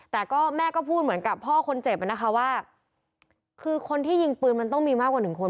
แต่ก็แม่ก็พูดเหมือนกับพ่อคนเจ็บนะคะว่าคือคนที่ยิงปืนมันต้องมีมากกว่าหนึ่งคน